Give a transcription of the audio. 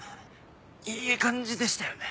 いい感じでしたよね？